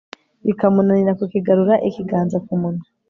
bikamunanira kukigarura ikiganza ku munwa